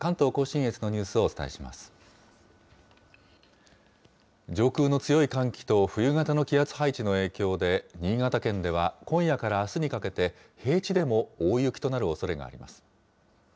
上空の強い寒気と冬型の気圧配置の影響で、新潟県では今夜からあすにかけて、平地でも大雪となるおそれがあります。